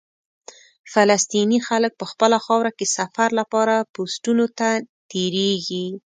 فلسطیني خلک په خپله خاوره کې سفر لپاره پوسټونو ته تېرېږي.